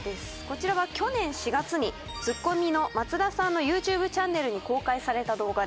こちらは去年４月にツッコミの松田さんのユーチューブチャンネルに公開された動画です。